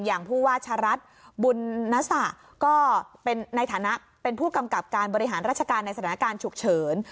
อย่างผู้ว่าชะรัฐบุญนสะก็เป็นในฐานะเป็นผู้กำกับการบริหารราชการในสถานการณ์ฉุกเฉิน